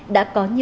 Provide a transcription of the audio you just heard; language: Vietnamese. đã còn tự nhiên